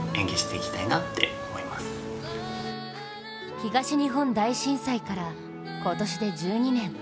東日本大震災から、今年で１２年。